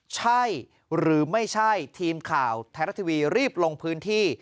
ใช่หรือไม่ใช่ทีมข่าวไทยรัฐทีวีรีบลงพื้นที่